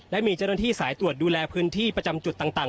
และมีเจ้าหน้าที่สายตรวจดูแลพื้นที่ประจำจุดต่าง